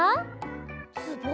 つぼ？